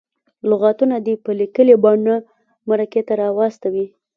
لغتونه دې په لیکلې بڼه مرکې ته راواستوي.